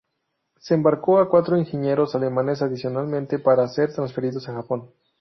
Se embarcó a cuatro ingenieros alemanes adicionalmente para ser transferidos a Japón.